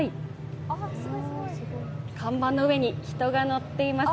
看板の上に人が乗っています。